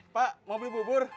pak mau beli bubur